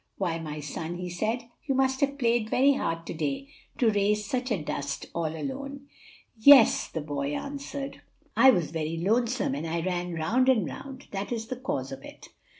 "Why, my son," he said, "you must have played very hard to day to raise such a dust all alone." "Yes," the boy answered, "I was very lonesome, and I ran round and round that is the cause of it."